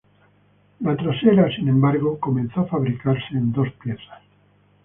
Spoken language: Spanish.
La trasera, sin embargo, empezó a fabricarse en dos piezas.